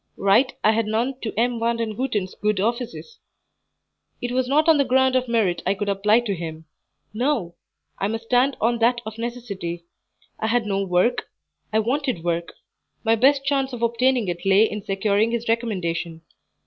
Right I had none to M. Vandenhuten's good offices; it was not on the ground of merit I could apply to him; no, I must stand on that of necessity: I had no work; I wanted work; my best chance of obtaining it lay in securing his recommendation.